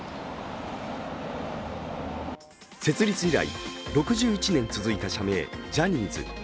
設立以来、６１年続いた社名、ジャニーズ。